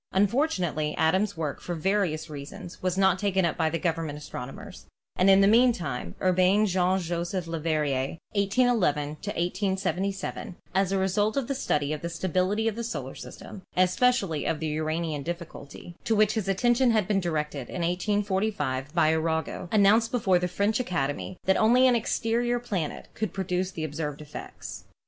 Unfortunately, Adams' work, for various reasons, was not taken up by the government astronomers, and in the meantime Urbain Jean Joseph Leverrier (1811 1877), as a result of the study of the stability of the solar system, and especially of the Uranian difficulty, to which his attention had been directed in 1845 by Arago, announced before the French Academy that only an exterior planet could produce the observed effects.